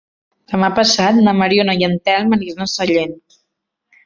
Demà passat na Mariona i en Telm aniran a Sallent.